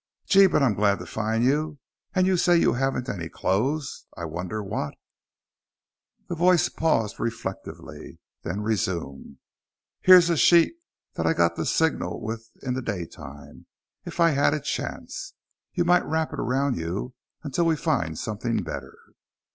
"Gee, but I'm glad to find you! And you say you haven't any clothes? I wonder what...." The voice paused reflectively, then resumed, "Here's a sheet that I got to signal with in the daytime, if I had a chance. You might wrap it around you until we find something better."